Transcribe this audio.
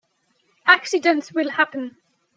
Accidents will happen.